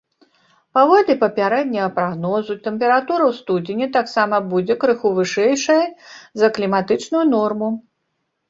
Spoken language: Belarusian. Паводле папярэдняга прагнозу, тэмпература ў студзені таксама будзе крыху вышэйшай за кліматычную норму.